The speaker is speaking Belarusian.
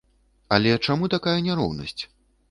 Але чаму такая няроўнасць?